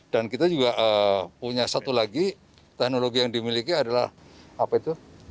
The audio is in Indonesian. dan kita juga punya satu lagi teknologi yang dimiliki adalah apa itu